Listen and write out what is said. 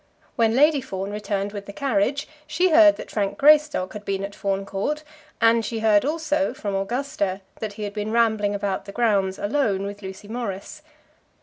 When Lady Fawn returned with the carriage, she heard that Frank Greystock had been at Fawn Court; and she heard also, from Augusta, that he had been rambling about the grounds alone with Lucy Morris.